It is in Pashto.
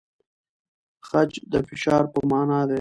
خج د فشار په مانا دی؟